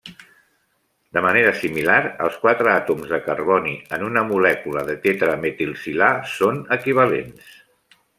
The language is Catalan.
De manera similar, els quatre àtoms de carboni en una molècula de tetrametilsilà són equivalents.